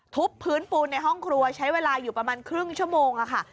พื้นปูนในห้องครัวใช้เวลาอยู่ประมาณครึ่งชั่วโมงค่ะ